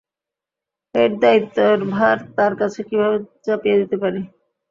এত দায়িত্বের ভার তার কাধে কীভাবে চাপিয়ে দিতে পারি?